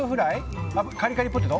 カリカリポテト。